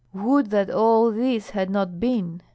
"Would that all this had not been!"